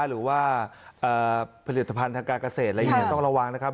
หรือว่าผลิตภัณฑ์ทางการเกษตรต้องระวังนะครับ